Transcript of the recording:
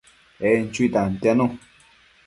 En chui tantianu